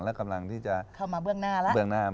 แล้วกำลังที่จะเข้ามาเบื้องหน้าแล้ว